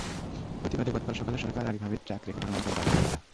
প্রতিবাদে গতকাল সকালে সড়কে আড়াআড়িভাবে ট্রাক রেখে ধর্মঘটের ডাক দেন তাঁরা।